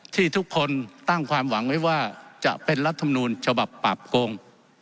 ที่ทุกคนตั้งความหวังไว้ว่าจะเป็นรัฐมนูลฉบับปราบโกง